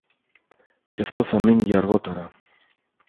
Και αυτό θα μείνει για αργότερα.